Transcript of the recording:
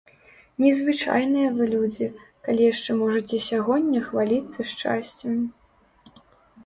Незвычайныя вы людзі, калі яшчэ можаце сягоння хваліцца шчасцем.